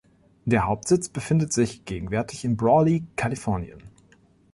Der Hauptsitz befindet sich gegenwärtig in Brawley, Kalifornien.